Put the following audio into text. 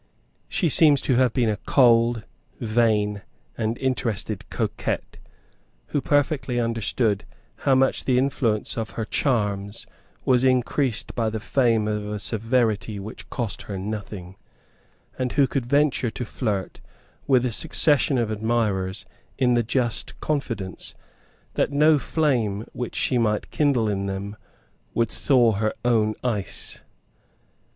She seems to have been a cold, vain and interested coquette, who perfectly understood how much the influence of her charms was increased by the fame of a severity which cost her nothing, and who could venture to flirt with a succession of admirers in the just confidence that no flame which she might kindle in them would thaw her own ice.